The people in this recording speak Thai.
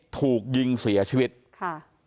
ถูกยิงเสียชีวิตค่ะ